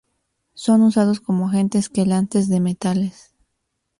Son usados como agentes quelantes de metales.